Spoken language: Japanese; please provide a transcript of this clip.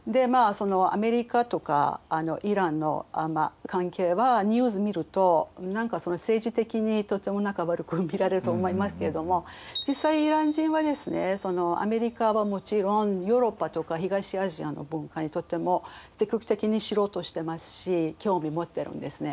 そのアメリカとかイランの関係はニュース見ると何か政治的にとても悪く見られると思いますけれども実際イラン人はですねアメリカはもちろんヨーロッパとか東アジアの文化にとっても積極的に知ろうとしてますし興味持ってるんですね。